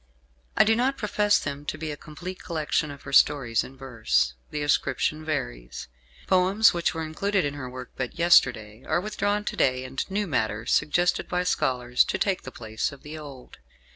I do not profess them to be a complete collection of her stories in verse. The ascription varies. Poems which were included in her work but yesterday are withdrawn to day, and new matter suggested by scholars to take the place of the old.